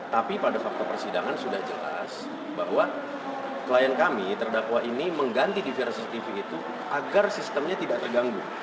tapi pada fakta persidangan sudah jelas bahwa klien kami terdakwa ini mengganti dvr cctv itu agar sistemnya tidak terganggu